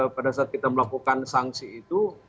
pada saat kita melakukan sanksi itu